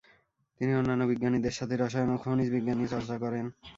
তিনি অন্যান্য বিজ্ঞানীদের সাথে রসায়ন ও খনিজবিজ্ঞান নিয়ে চর্চা করেন।